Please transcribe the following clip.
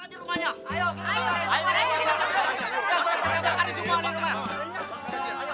ayo kita ke rumah